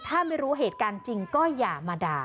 ถ้าไม่รู้เหตุการณ์จริงก็อย่ามาด่า